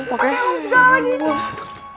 lo mau segala gini